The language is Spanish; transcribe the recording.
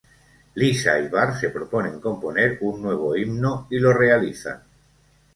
Lisa y Bart se proponen componer un nuevo himno y lo realizan.